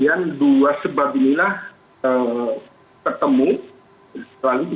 ya sekarang parah parah itu